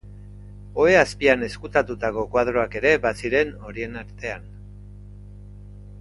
Ohe azpian ezkutatutako kuadroak ere baziren horien artean.